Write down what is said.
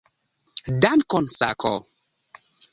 Dankon, Sako!